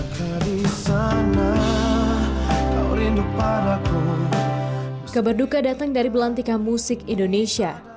kepala kabarduka datang dari belantika musik indonesia